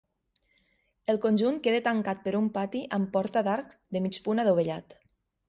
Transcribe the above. El conjunt queda tancat per un pati amb porta d'arc de mig punt adovellat.